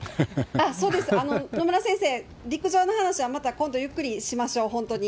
そうです、野村先生、陸上の話はまた今度ゆっくりしましょう、本当に。